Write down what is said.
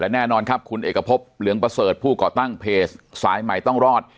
แน่นอนครับคุณเอกพบเหลืองประเสริฐผู้ก่อตั้งเพจสายใหม่ต้องรอด